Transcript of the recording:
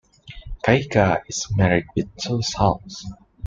Caica is married with two sons.